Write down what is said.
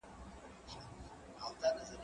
زه پرون موسيقي واورېده